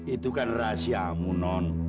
itu kan rahasiamu non